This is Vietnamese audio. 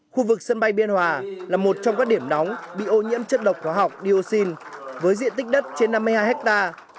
khu vực sân bay biên hòa là một trong các điểm nóng bị ô nhiễm chất độc hóa học dioxin với diện tích đất trên năm mươi hai hectare